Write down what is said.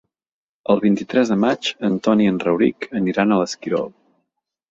El vint-i-tres de maig en Ton i en Rauric aniran a l'Esquirol.